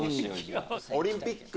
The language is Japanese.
「オリンピック」。